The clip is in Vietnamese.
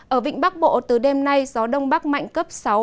ở vịnh bắc bộ từ đêm nay gió đông bắc mạnh cấp sáu